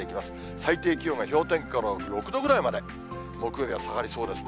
最低気温が氷点下の６度ぐらいまで、木曜日は下がりそうですね。